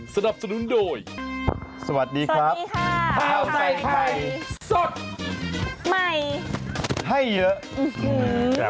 สนับสนุนโดยสวัสดีครับสวัสดีค่ะข้าวใส่ไข่สดใหม่ให้เยอะ